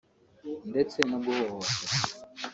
ndetse no guhohoterwa